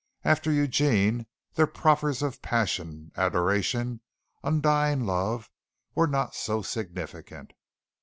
After Eugene their proffers of passion, adoration, undying love, were not so significant.